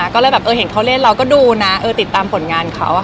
ก็เลยแบบเห็นเขาเล่นเราก็ดูนะติดตามผลงานเขา